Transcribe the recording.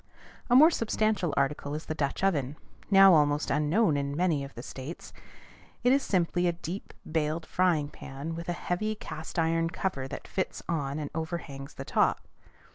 A more substantial article is the Dutch oven, now almost unknown in many of the States. It is simply a deep, bailed frying pan with a heavy cast iron cover that fits on and overhangs the top.